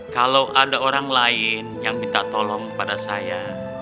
kalau ada orang lain yang minta tolong kepada saya